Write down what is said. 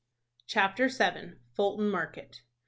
CHAPTER VII. FULTON MARKET.